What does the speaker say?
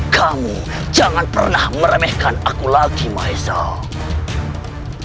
kamu jangan pernah meremehkan aku lagi maisa